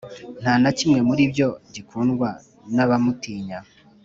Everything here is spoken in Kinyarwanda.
nta na kimwe muri byo gikundwa n’abamutinya